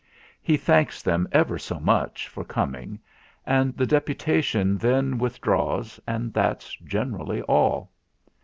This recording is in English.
He thanks them ever so much for coming; and the deputation then withdraws and that's generally all."